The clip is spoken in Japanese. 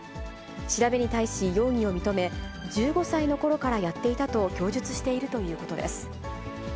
調べに対し、容疑を認め、１５歳のころからやっていたと供述しているということです。